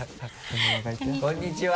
こんにちは。